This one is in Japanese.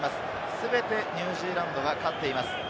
全てニュージーランドが勝っています。